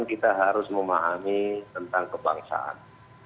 kita harus memahami tentang kebangsaan